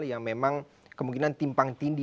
yang memang kemungkinan timpang tindi